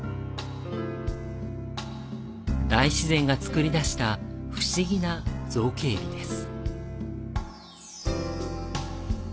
大自然が作り出した不思議な造形美です。